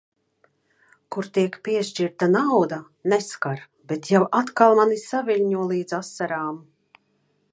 Kur tiek piešķirta nauda, neskar, bet jau atkal mani saviļņo līdz asarām.